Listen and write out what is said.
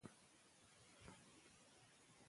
فتح خان د ښار د نیولو لپاره پلان جوړ کړ.